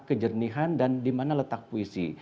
kejernihan dan dimana letak puisi